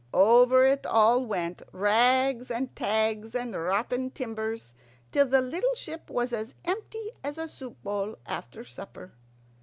Over it all went, rags and tags and rotten timbers, till the little ship was as empty as a soup bowl after supper.